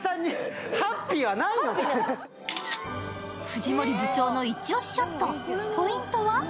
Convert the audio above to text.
藤森部長のイチ押しショット、ポイントは？